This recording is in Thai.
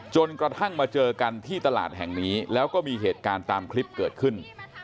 จนกระทั่งมาเจอกันที่ตลาดแห่งนี้แล้วก็มีเหตุการณ์ตามคลิปเกิดขึ้น